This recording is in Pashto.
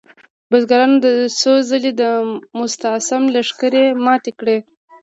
بزګرانو څو ځلې د مستعصم لښکرې ماتې کړې.